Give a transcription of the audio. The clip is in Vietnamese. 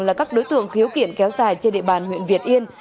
là các đối tượng khiếu kiện kéo dài trên địa bàn huyện việt yên